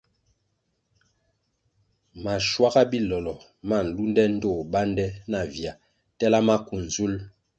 Maschuaga bilolo ma nlunde ndtoh bande navia tela maku nzul.